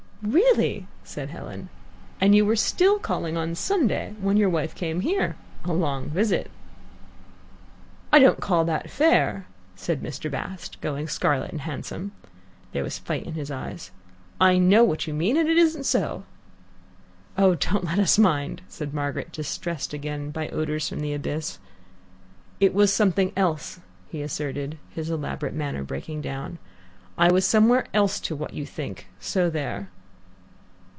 "Really!" said Helen; "and you were still calling on Sunday, when your wife came here. A long visit." "I don't call that fair," said Mr. Bast, going scarlet and handsome. There was fight in his eyes." I know what you mean, and it isn't so." "Oh, don't let us mind," said Margaret, distressed again by odours from the abyss. "It was something else," he asserted, his elaborate manner breaking down. "I was somewhere else to what you think, so there!"